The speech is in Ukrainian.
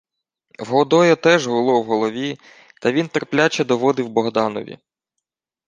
В Годоя теж гуло в голові, та він терпляче доводив Богданові: